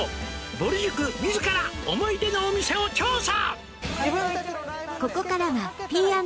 「ぼる塾自ら思い出のお店を調査」